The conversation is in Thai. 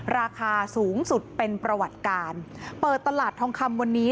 ราคาสูงสุดเป็นประวัติการเปิดตลาดทองคำวันนี้